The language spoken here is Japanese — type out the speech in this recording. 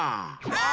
あ！